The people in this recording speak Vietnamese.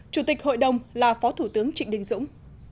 chủ tịch hội đồng là phó thủ tướng trịnh đình dũng